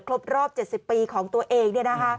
ครบรอบ๗๐ปีของตัวเอง